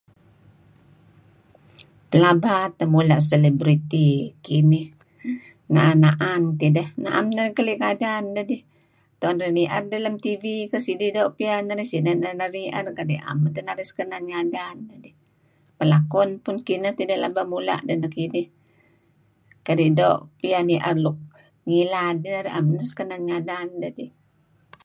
Pelaba teh mula' celebrity kinih. Naan-naan tideh. Naem narih keli' ngadan dedih. Tuen narih nier lam TV sidih doo' piyan narih sideh siren narih. naem narih sekenan ngadan dedih. Pelakon pun kineh. Neh tideh pelaba mula' deh kinih kadi' doo' piyan nier nuk ngilad kadi naem sekanan ngadan dedih.